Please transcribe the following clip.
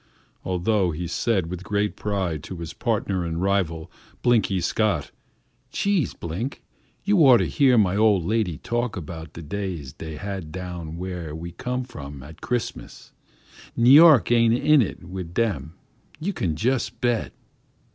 Although he said with great pride to his partner and rival, Blinky Scott, "Chee, Blink, you ought to hear my ol' lady talk about de times dey have down w'ere we come from at Christmas; N'Yoick ain't in it wid dem, you kin jist bet."